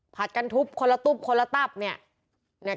กันทุบคนละตุ๊บคนละตับเนี่ย